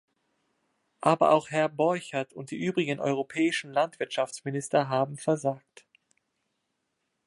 Aber auch Herr Borchert und die übrigen europäischen Landwirtschaftsminister haben versagt.